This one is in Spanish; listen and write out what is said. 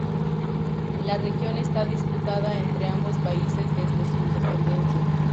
La región está disputada entre ambos países desde su independencia.